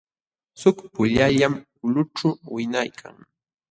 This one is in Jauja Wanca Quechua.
Suk puyallam ulqućhu wiñaykan.